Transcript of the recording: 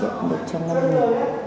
trước trình báo của